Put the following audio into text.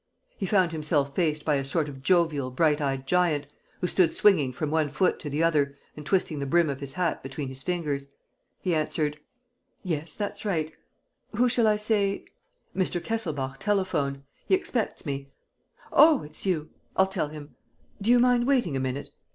He found himself faced by a sort of jovial, bright eyed giant, who stood swinging from one foot to the other and twisting the brim of his hat between his fingers. He answered: "Yes, that's right. Who shall I say. ..?" "Mr. Kesselbach telephoned. ... He expects me. ..." "Oh, it's you. ... I'll tell him. ... Do you mind waiting a minute? ... Mr.